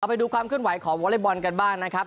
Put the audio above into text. ไปดูความเคลื่อนไหวของวอเล็กบอลกันบ้างนะครับ